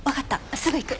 すぐ行く。